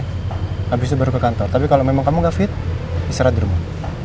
habis itu baru ke kantor tapi kalau memang kamu nggak fit diserah di rumah